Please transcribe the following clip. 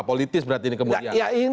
politis berarti ini kemudian